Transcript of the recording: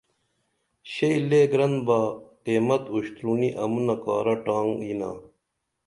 شئی لے گرن با قیمت اشترونی امونہ کارہ ٹانگ یینا